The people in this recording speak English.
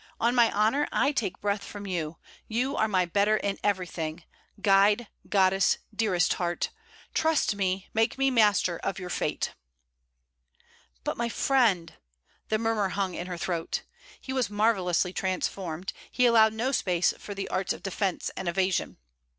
On my honour, I take breath from you. You are my better in everything guide, goddess, dearest heart! Trust me; make me master of your fate.' 'But my friend!' the murmur hung in her throat. He was marvellously transformed; he allowed no space for the arts of defence and evasion.